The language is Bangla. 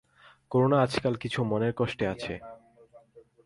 করুণা আজকাল কিছু মনের কষ্টে আছে।